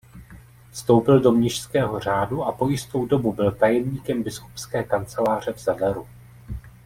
Vstoupil do mnišského řádu a po jistou dobu byl tajemníkem biskupské kanceláře v Zadaru.